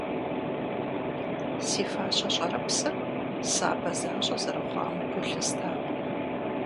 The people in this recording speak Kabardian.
Си фащэ щӏэрыпсыр сабэ защӏэ зэрыхъуам гу лъыстакъым.